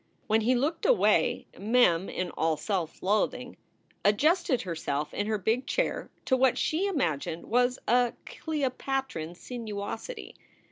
When he looked away, Mem, in all self loathing, adjusted herself in her big chair to what she imagined was a Cleopatran sinuosity.